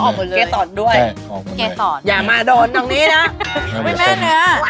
เอาออกหมดเลยเกษตรด้วยแกษรอย่ามาโดนน้องนี้นะไม่แม่นเนี่ย